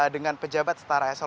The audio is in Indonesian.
dengan pejabat setara eselon i